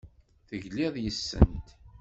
Tegliḍ yes-sent.